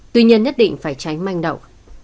tuy nhiên nhất định phải tránh manh đầu